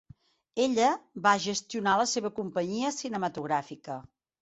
Ella va gestionar la seva companyia cinematogràfica.